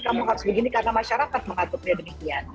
kamu harus begini karena masyarakat mengatur diri